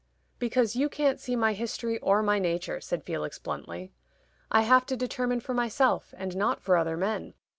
"Because you can't see my history or my nature," said Felix, bluntly. "I have to determine for myself, and not for other men.